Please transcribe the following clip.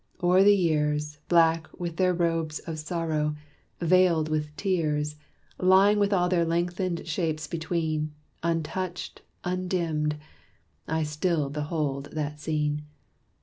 O'er the years, Black with their robes of sorrow veiled with tears, Lying with all their lengthened shapes between, Untouched, undimmed, I still behold that scene.